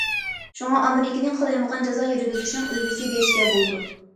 شۇڭا ئامېرىكىنى قالايمىقان جازا يۈرگۈزۈشنىڭ ئۈلگىسى دېيىشكە بولىدۇ.